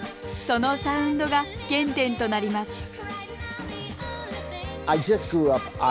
そのサウンドが原点となります